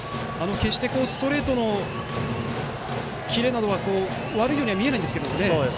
決してストレートのキレなどは悪いようには見えないんですが。